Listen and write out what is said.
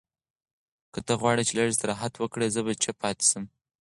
که ته غواړې چې لږ استراحت وکړې، زه به چپ پاتې شم.